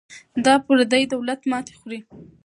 دا پردی دولت ماتې خوري.